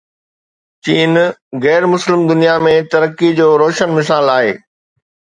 چين غير مسلم دنيا ۾ ترقي جو روشن مثال آهي.